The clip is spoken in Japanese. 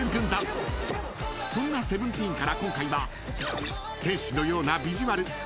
［そんなＳＥＶＥＮＴＥＥＮから今回は］